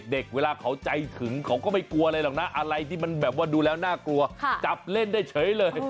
เวลาเขาใจถึงเขาก็ไม่กลัวอะไรหรอกนะอะไรที่มันแบบว่าดูแล้วน่ากลัวจับเล่นได้เฉยเลย